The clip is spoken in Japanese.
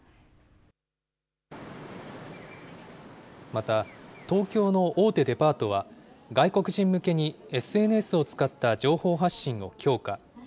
また東京の大手デパートは、外国人向けにＳＮＳを使った情報発信を強化。